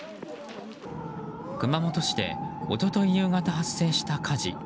熊本市で一昨日夕方発生した火事。